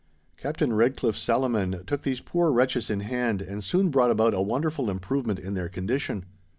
Captain Redcliffe Salaman took these poor wretches in hand and soon brought about a wonderful improvement in their condition.